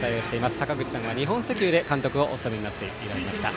坂口さんは日本石油で監督をお務めになっておられました。